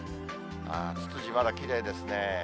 ああ、ツツジ、まだきれいですね。